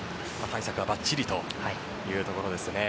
対策はバッチリというところですね。